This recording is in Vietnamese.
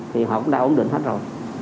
thì họ cũng đã ổn định hết rồi